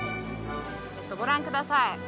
ご覧ください